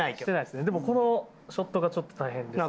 でもこのショットがちょっと大変です。